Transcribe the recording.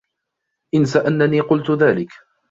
انس أنّني قلت ذلك.